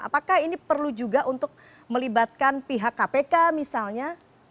apakah ini perlu juga untuk melibatkan pihak kpk misalnya